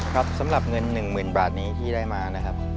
ครับสำหรับเงิน๑หมื่นบาทนี้ที่ได้มานะครับ